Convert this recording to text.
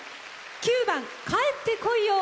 ９番「帰ってこいよ」